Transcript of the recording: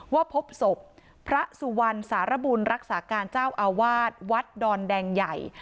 พบศพพระสุวรรณสารบุญรักษาการเจ้าอาวาสวัดดอนแดงใหญ่